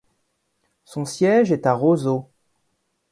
Son siège est à Roseau.